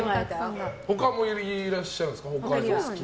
他もいらっしゃるんですか？